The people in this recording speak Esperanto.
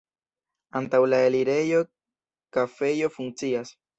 Antaŭ la elirejo kafejo funkcias.